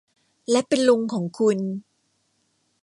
และเป็นลุงของคุณ